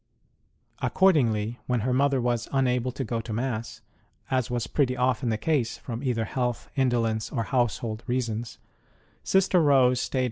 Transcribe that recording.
Accordingly, when her mother \vas unable to go to Mass (as was pretty often the case, from either health, indo lence, or household reasons), Sister Rose stayed 108 ST.